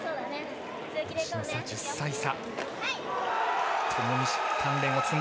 １０歳差。